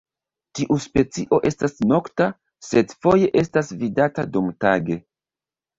Tiu specio estas nokta, sed foje estas vidata dumtage.